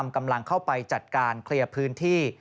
กำลังเข้าไปจัดการเคลียร์พื้นที่